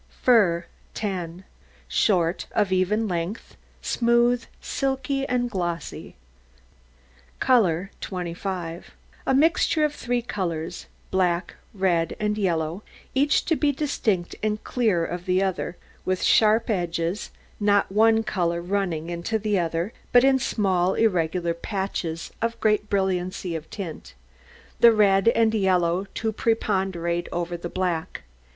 FUR 10 Short, of even length, smooth, silky, and glossy. COLOUR 25 A mixture of three colours black, red, and yellow each to be distinct and clear of the other, with sharp edges, not one colour running into the other, but in small irregular patches, of great brilliancy of tint, the red and yellow to preponderate over the black.